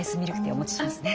お持ちしますね。